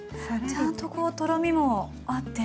ちゃんとこうとろみもあって。